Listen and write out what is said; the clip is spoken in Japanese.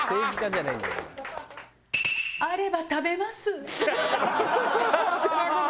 あれば食べます！